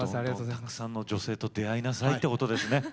たくさんの女性と出会いなさいってことですね。